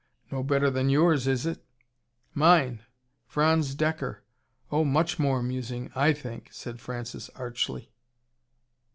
"No better than yours, is it?" "Mine! Franz Dekker! Oh, much more amusing, I think," said Francis archly.